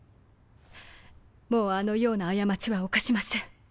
もうあのような過ちは犯しません